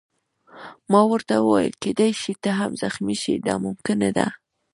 ما ورته وویل: کېدای شي ته هم زخمي شې، دا ممکنه ده.